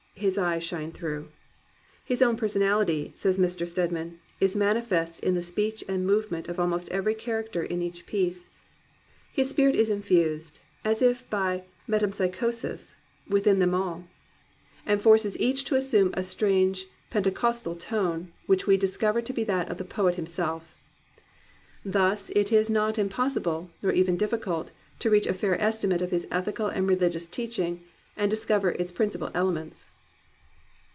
His eyes shine through. "His own personality," says Mr. Stedman, "is manifest in the speech and movement of almost every character of each piece. His spirit is infused as if by metempsychosis, within them all, 275 COMPANIONABLE BOOKS and forces each to assume a strange Pentecostal tone, which we discover to be that of the poet him self." Thus it is not impossible, nor even diflScult, to reach a fair estimate of his ethical and religious teaching and discover its principal elements.